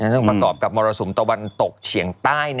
ซึ่งประกอบกับมรสุมตะวันตกเฉียงใต้